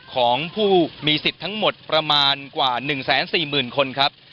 ของผู้มีสิทธิ์ทั้งหมดประมาณกว่า๑๔๐๐๐คนครับ